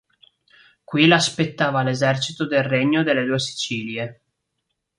Qui l'aspettava l'esercito del Regno delle Due Sicilie.